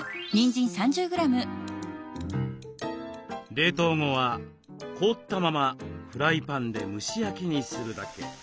冷凍後は凍ったままフライパンで蒸し焼きにするだけ。